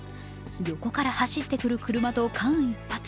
横から走ってくる車と間一髪。